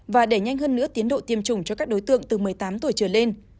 và đẩy nhanh hơn nữa tiến độ tiêm chủng cho các đối tượng từ một mươi tám tuổi trở lên